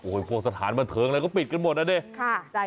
โอ้โหพวกสถานบันเทิงอะไรก็ปิดกันหมดนะดิ